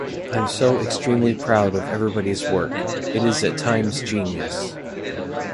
I'm so extremely proud of everybody's work-it is at times genius.